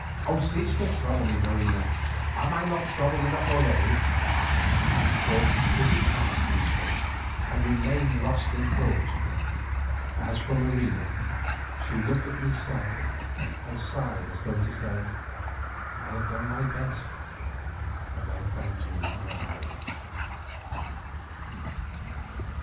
Cease to trouble me, Marina, am I not troubled enough already?" and Cortes put his hands to his face and remained lost in thought. As for Marina, she looked at me sadly and sighed as though to say, "I have done my best," and I thanked her with my eyes.